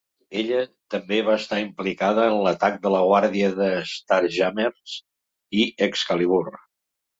Ella també va estar implicada en l'atac de la Guàrdia als Starjammers i Excalibur.